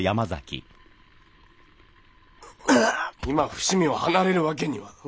今伏見を離れるわけには。